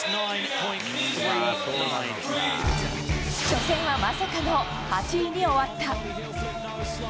初戦はまさかの８位に終わった。